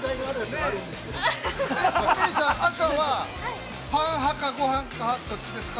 ◆お姉さん朝は、パン派かごはん派どっちですか。